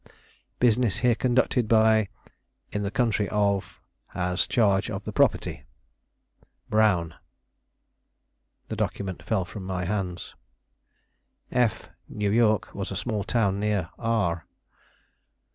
"Business here conducted by . In the country, of has charge of the property. "BROWN." The document fell from my hands. F , N. Y., was a small town near R